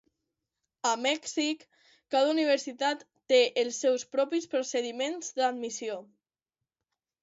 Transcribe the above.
A Mèxic, cada universitat té els seus propis procediments d'admissió.